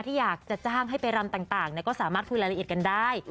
ที่อยากจะจ้างให้ไปรำต่างก็สามารถคุยรายละเอียดกันได้